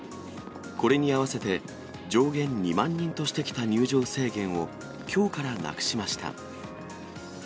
これに合わせて、上限２万人としてきた入場制限をきょうからなくしました。